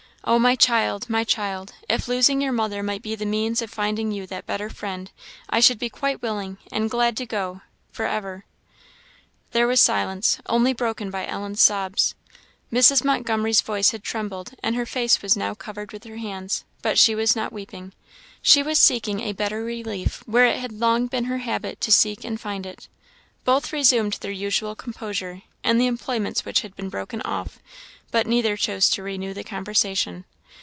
Oh, my child, my child! if losing your mother might be the means of finding you that better Friend, I should be quite willing and glad to go for ever." There was silence, only broken by Ellen's sobs. Mrs. Montgomery's voice had trembled, and her face was now covered with her hands; but she was not weeping; she was seeking a better relief where it had long been her habit to seek and find it. Both resumed their usual composure, and the employments which had been broken off; but neither chose to renew the conversation.